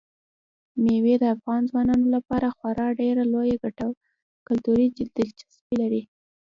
مېوې د افغان ځوانانو لپاره خورا ډېره لویه کلتوري دلچسپي لري.